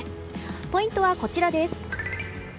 ポイントはこちらです。